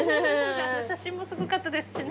写真もすごかったですしね。